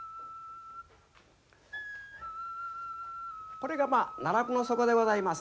これが奈落の底でございます。